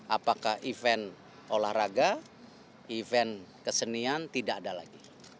apakah event olahraga event kesenian tidak ada lagi